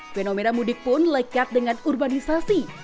fenomena mudik pun lekat dengan urbanisasi